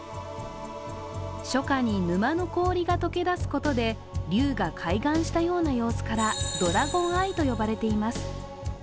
初夏に沼の氷が溶け出すことで竜が開眼したような様子からドラゴンアイと呼ばれています。